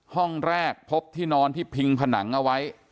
ห้องแรกพบที่นอนที่พิงผนังเอาไว้